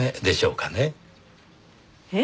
えっ？